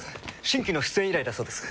新規の出演依頼だそうです。